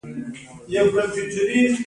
سندره د هیواد ویاړ دی